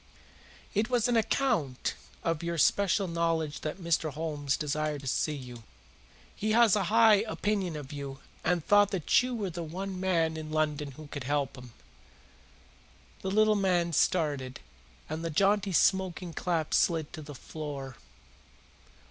"It was on account of your special knowledge that Mr. Holmes desired to see you. He has a high opinion of you and thought that you were the one man in London who could help him." The little man started, and the jaunty smoking cap slid to the floor.